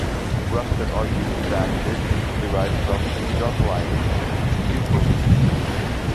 Rushton argues that this is derived from John Lyly's "Euphues".